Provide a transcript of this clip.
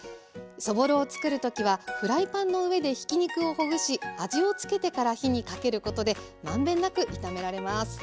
そぼろを作る時はフライパンの上でひき肉をほぐし味をつけてから火にかけることで満遍なく炒められます。